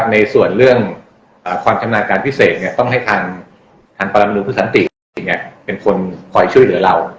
ในส่วนเรื่องคลาเปิดความทำหน้าการพิเศษต้องให้คทรรณภสัญติเป็นคนคอยช่วยเหลือเรา